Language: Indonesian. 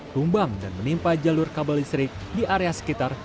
tumbang dan menimpa jalur kabel listrik di area sekitar